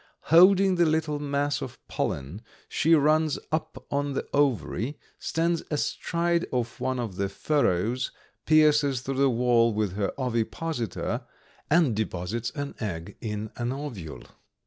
Holding the little mass of pollen she runs up on the ovary, stands astride of one of the furrows, pierces through the wall with her ovipositor, and deposits an egg in an ovule.